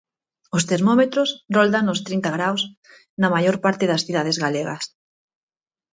Os termómetros roldan os trinta graos na maior parte das cidades galegas.